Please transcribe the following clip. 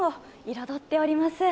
彩っております。